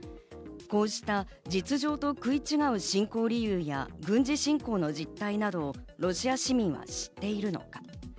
こうした実情と食い違う侵攻理由や軍事侵攻の実態などをロシア市民は知っているのか。